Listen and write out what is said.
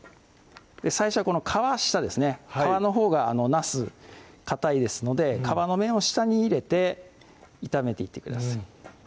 最初はこの皮下ですね皮のほうがなすかたいですので皮の面を下に入れて炒めていってください